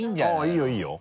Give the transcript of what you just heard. いいよいいよ。